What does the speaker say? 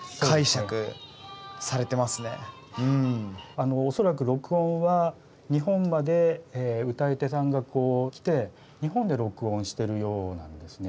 あの恐らく録音は日本まで歌い手さんが来て日本で録音してるようなんですね。